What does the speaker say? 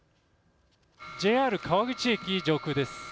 ＪＲ川口駅上空です。